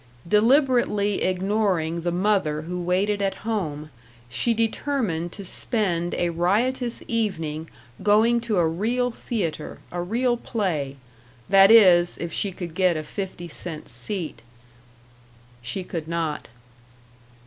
Deliberately ignoring the mother who waited at home, she determined to spend a riotous evening going to a real theater, a real play. That is, if she could get a fifty cent seat. She could not.